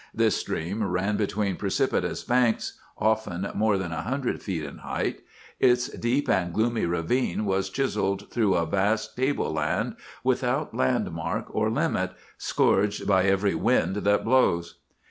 This stream ran between precipitous banks, often more than a hundred feet in height. Its deep and gloomy ravine was chiselled through a vast table land without landmark or limit, scourged by every wind that blows.